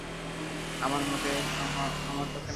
আমার তাতে মাথাব্যাথা নেই!